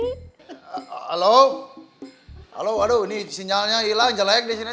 halo halo aduh ini sinyalnya hilang jelek disini